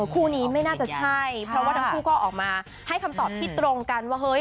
คู่นี้ไม่น่าจะใช่เพราะว่าทั้งคู่ก็ออกมาให้คำตอบที่ตรงกันว่าเฮ้ย